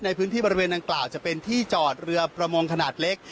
ในพื้นที่บริเวณดังกล่าวจะเป็นที่จอดเรือประมงขนาดเล็ก